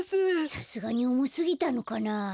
さすがにおもすぎたのかな。